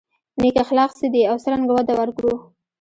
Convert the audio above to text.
نېک اخلاق څه دي او څرنګه وده ورکړو.